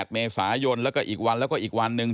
๘เมษายนแล้วก็อีกวันแล้วก็อีกวันหนึ่ง